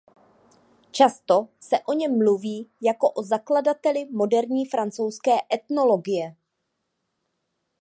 Často se o něm mluví jako o zakladateli moderní francouzské etnologie.